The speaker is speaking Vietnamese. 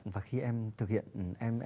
và khi em thực hiện